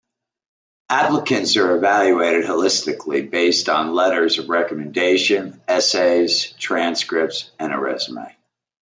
Applicants are evaluated holistically based on letters of recommendation, essays, transcripts, and a resume.